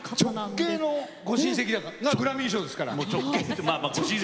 直系のご親戚がグラミー賞ですから。